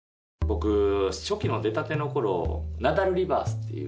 僕初期の出たての頃ナダルリバースっていう。